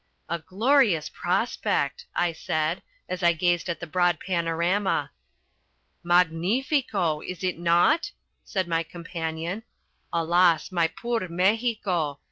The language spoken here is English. "A glorious prospect," I said, as I gazed at the broad panorama. "Magnifico! Is it not?" said my companion. "Alas, my poor Mexico!